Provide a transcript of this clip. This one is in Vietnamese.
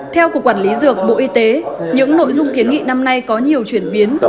theo cục quản lý dược bộ y tế những nội dung kiến nghị năm nay có nhiều chuyển biến